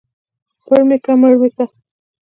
ـ پړ مى که مړ مى که.